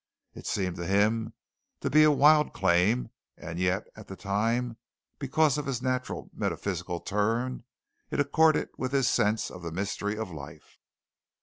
It seemed to him to be a wild claim, and yet at the time, because of his natural metaphysical turn, it accorded with his sense of the mystery of life.